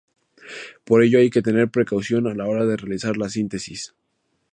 Por ello hay que tener precaución a la hora de realizar la síntesis.